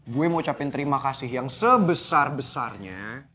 gue mau ucapin terima kasih yang sebesar besarnya